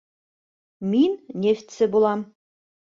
Мин нефтсе булам.